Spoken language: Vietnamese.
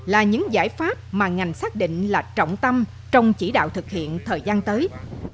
là những giải pháp mà ngành xác định là trọng tâm trong chỉ đạo thực hiện thời gian tới